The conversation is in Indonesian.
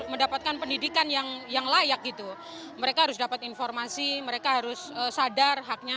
mendapatkan pendidikan yang yang layak gitu mereka harus dapat informasi mereka harus sadar haknya